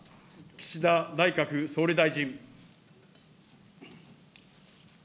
岸田内閣総理大臣。